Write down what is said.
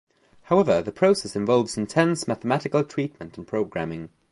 However, the process involves intense mathematical treatment and programming.